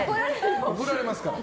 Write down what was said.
怒られますから。